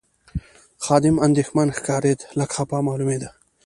خادم اندېښمن ښکارېد، لږ خپه معلومېده.